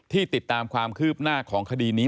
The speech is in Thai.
ติดตามความคืบหน้าของคดีนี้